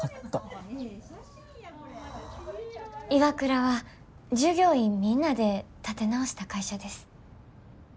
ＩＷＡＫＵＲＡは従業員みんなで立て直した会社です。